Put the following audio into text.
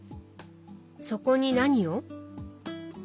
そこに何を？